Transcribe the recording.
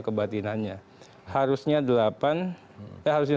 kebatinannya harusnya delapan ya harusnya